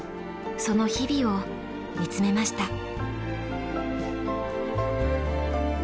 その日々を見つめました。